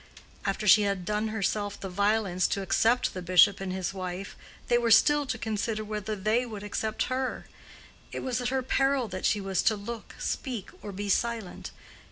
After she had done herself the violence to accept the bishop and his wife, they were still to consider whether they would accept her; it was at her peril that she was to look, speak, or be silent.